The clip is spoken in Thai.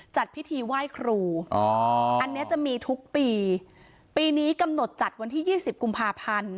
จัดพิธีไหว้ครูอ๋ออันนี้จะมีทุกปีปีนี้กำหนดจัดวันที่ยี่สิบกุมภาพันธ์